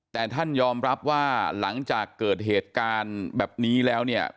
แต่ท่านยอมรับว่าหลังจากเกิดเหตุการณ์แบบนี้แล้วเนี่ย